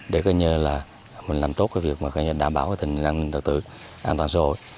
để coi như là mình làm tốt cái việc mà coi như là đảm bảo cái tình năng tự tử an toàn xã hội